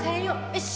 よし。